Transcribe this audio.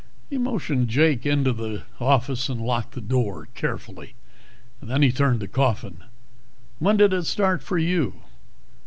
He motioned Jake into the office and locked the door carefully. Then he turned to Coffin. "When did it start for you?"